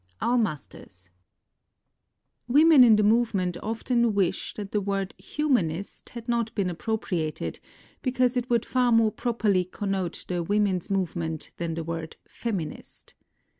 PREFACE Women in the movement often wish that the word humanist had not been appropriated, because it would far more properly connote the women's movement than the word feminist.